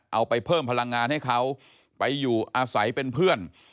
เอาไปเพิ่มพลังงานให้เขาไปอยู่อาศัยเป็นเพื่อน